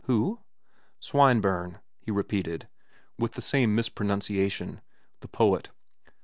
"Who?" "Swineburne," he repeated, with the same mispronunciation. "The poet."